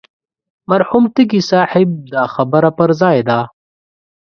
مرحوم تږي صاحب دا خبره پر ځای ده.